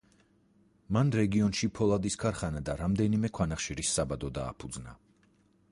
მან რეგიონში ფოლადის ქარხანა და რამდენიმე ქვანახშირის საბადო დააფუძნა.